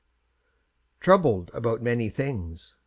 "TROUBLED ABOUT MANY THINGS."